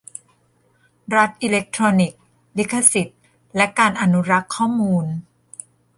รัฐอิเล็กทรอนิกส์ : ลิขสิทธิ์และการอนุรักษ์ข้อมูล